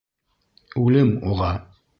Үлем уға!